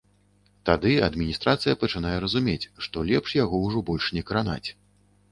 Тады адміністрацыя пачынае разумець, што лепш яго ўжо больш не кранаць.